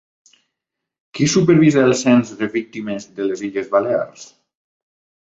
Qui supervisa el Cens de Víctimes de les Illes Balears?